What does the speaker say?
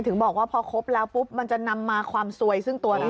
ถึงบอกว่าพอครบแล้วปุ๊บมันจะนำมาความสวยซึ่งตัวเรา